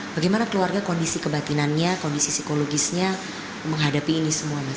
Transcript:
bagaimana keluarga kondisi kebatinannya kondisi psikologisnya menghadapi ini semuanya